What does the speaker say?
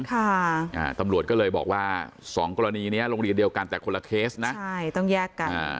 ค่ะอ่าตำรวจก็เลยบอกว่าสองกรณีเนี้ยโรงเรียนเดียวกันแต่คนละเคสนะใช่ต้องแยกกันอ่า